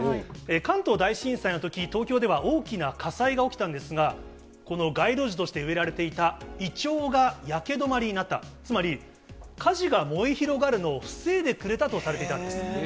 関東大震災のとき、東京では大きな火災が起きたんですが、この街路樹として植えられていたイチョウが焼け止まりになった、つまり、火事が燃え広がるのを防いでくれたとされていたんです。